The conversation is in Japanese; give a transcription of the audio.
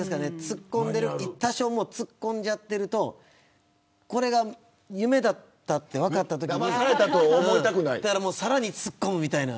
多少突っ込んじゃってるとこれが夢だったと分かったときにさらに突っ込むみたいな。